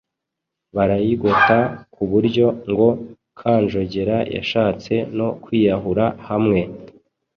barayigota ku buryo ngo Kanjogera yashatse no kwiyahura hamwe